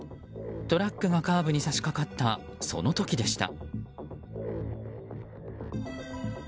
トラックがカーブに差し掛かったその時でした。